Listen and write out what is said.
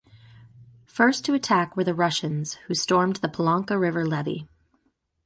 First to attack were the Russians, who stormed the Polonka river levee.